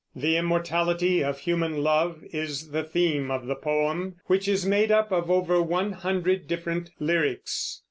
The immortality of human love is the theme of the poem, which is made up of over one hundred different lyrics.